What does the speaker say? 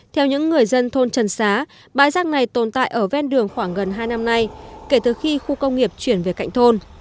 theo những người dân thôn trần xá bãi rác này tồn tại ở ven đường khoảng gần hai năm nay kể từ khi khu công nghiệp chuyển về cạnh thôn